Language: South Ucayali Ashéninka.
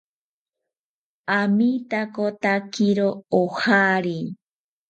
Amitakotakiro ojari